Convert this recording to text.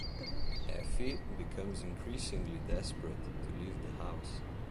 Effie becomes increasingly desperate to leave the house.